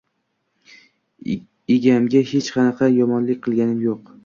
Egamga hech qanaqa yomonlik qilganim yo‘q